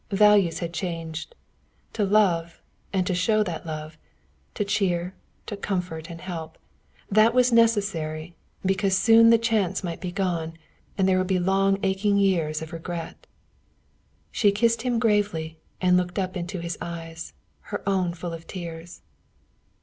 Values had changed. To love, and to show that love, to cheer, to comfort and help that was necessary, because soon the chance might be gone, and there would be long aching years of regret. So she kissed him gravely and looked up into his eyes, her own full of tears.